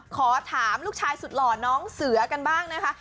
ขอถามลูกชายสุดหล่อน้องเสือกันบ้างนะคะ